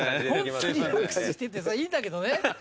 ホントリラックスしててさいいんだけどね。